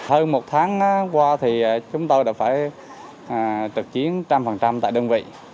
hơn một tháng qua thì chúng tôi đã phải trực chiến trăm phần trăm tại đơn vị